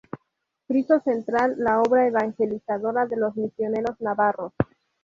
Friso central: la obra evangelizadora de los misioneros navarros.